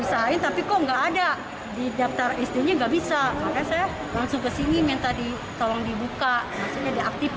usahain tapi kok nggak ada di daftar istrinya nggak bisa langsung kesini minta di tolong dibuka